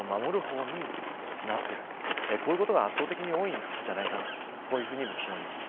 こういうことが圧倒的に多いんじゃないかなとこういうふうに思います。